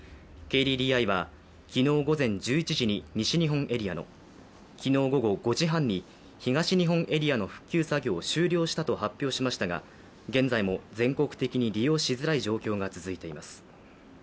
ＫＤＤＩは、昨日午前１１時に西日本エリアの昨日午後５時半に東日本エリアの復旧作業を終了したと発表しましたが現在も、全国的に利用しづらい状態が続いています。